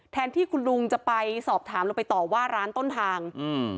แทนที่คุณลุงจะไปสอบถามลงไปต่อว่าร้านต้นทางอืม